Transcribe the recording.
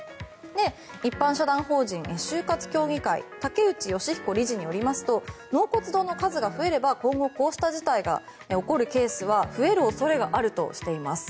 一般社団法人終活協議会竹内義彦理事によりますと納骨堂の数が増えれば今後、こうした事態が起こるケースは増える恐れがあるとしています。